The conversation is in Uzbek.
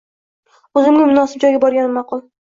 – O‘zimga munosib joyga borganim ma’qul